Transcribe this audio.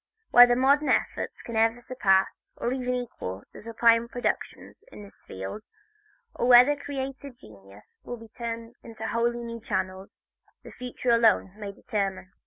Whether modern efforts can ever surpass, or even equal, the sublime productions in this field, or whether creative genius will be turned into wholly new channels, the future alone may determine.